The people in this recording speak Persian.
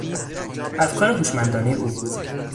افکار هوشمندانهی او